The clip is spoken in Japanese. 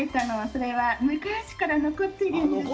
それは昔から残ってるんです。